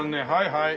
はい。